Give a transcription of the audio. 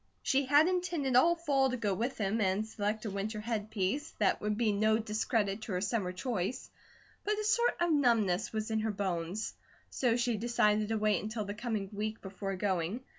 She had intended all fall to go with him and select a winter headpiece that would be no discredit to her summer choice, but a sort of numbness was in her bones; so she decided to wait until the coming week before going.